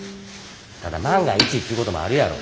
ただ万が一いうこともあるやろ。